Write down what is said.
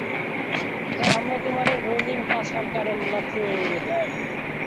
হ্যাঁ আমরা তোমার রঙিন পাছার কারেন্ট লাথি মেরে উড়িয়ে দেব।